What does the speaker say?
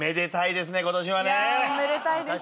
いやおめでたいです。